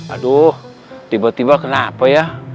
aduh tiba tiba kenapa ya